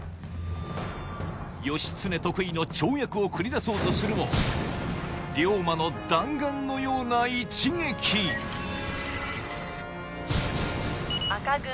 義経得意の跳躍を繰り出そうとするも龍馬の弾丸のような一撃赤軍。